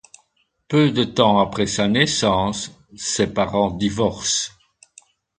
Peu de temps après sa naissance, ses parents divorcent.